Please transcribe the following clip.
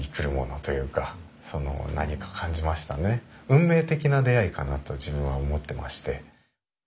運命的な出会いかなと自分は思ってまして。